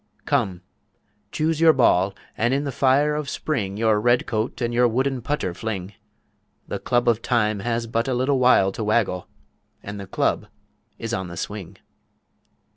Come, choose your ball, and in the Fire of Spring Your Red Coat, and your wooden Putter fling; The Club of Time has but a little while To waggle, and the Club is on the swing.